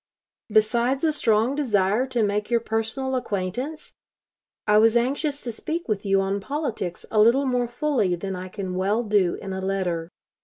Besides a strong desire to make your personal acquaintance, I was anxious to speak with you on politics a little more fully than I can well do in a letter.